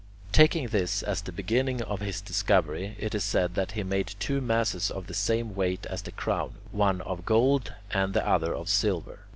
11. Taking this as the beginning of his discovery, it is said that he made two masses of the same weight as the crown, one of gold and the other of silver.